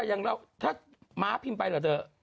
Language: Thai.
แต่ยังงั้นถ้าหมาผิมไปแบบเธอ